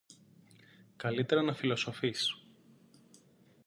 Καλύτερα να φιλοσοφείς.